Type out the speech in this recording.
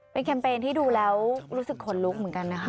เป็นแคมเปญที่ดูแล้วรู้สึกขนลุกเหมือนกันนะคะ